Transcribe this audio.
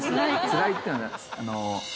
つらいっていうのは。